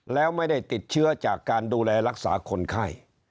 แล้วไม่ได้ติดเชื้อจากการดูแลรักษาคนไข้